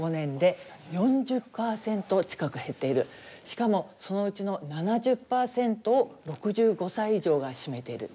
しかもそのうちの７０％を６５歳以上が占めている。